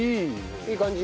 いい感じ。